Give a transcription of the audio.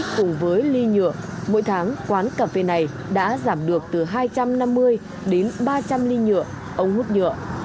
cùng với ly nhựa mỗi tháng quán cà phê này đã giảm được từ hai trăm năm mươi đến ba trăm linh ly nhựa ống hút nhựa